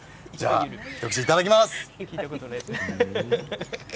１つ、いただきます。